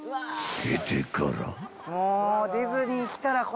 ［へてから］